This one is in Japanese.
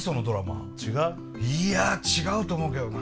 いや違うと思うけどな。